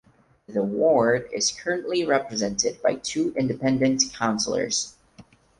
The ward is currently represented by two independent councillors.